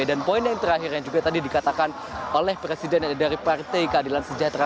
poin yang terakhir yang juga tadi dikatakan oleh presiden dari partai keadilan sejahtera